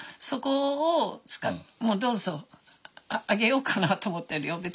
そこをどうぞあげようかなと思ってるよ。